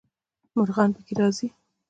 مرغان پکې راځي.